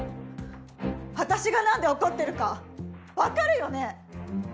私がなんで怒っているか分かるよね？